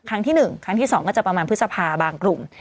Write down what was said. ครั้งที่๑ครั้งที่๒ก็จะประมาณพฤษภาบางกลุ่ม